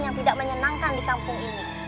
yang tidak menyenangkan di kampung ini